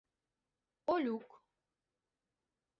Олюк...